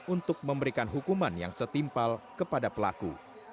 untuk memberikan hukuman yang setimpal kepada pelaku